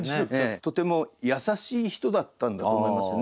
とても優しい人だったんだと思いますよね。